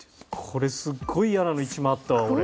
これすっごい嫌なの１枚あったわ俺。